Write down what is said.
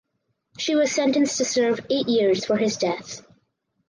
She was sentenced to serve eight years for his death.